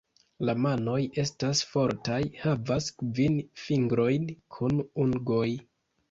La manoj estas fortaj, havas kvin fingrojn kun ungoj.